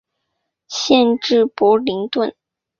县治伯灵顿。